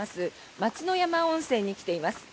松之山温泉に来ています。